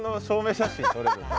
写真撮れるんだ。